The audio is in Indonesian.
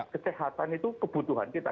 kesehatan itu kebutuhan kita